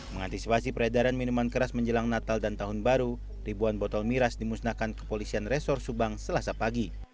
mengantisipasi peredaran minuman keras menjelang natal dan tahun baru ribuan botol miras dimusnahkan kepolisian resor subang selasa pagi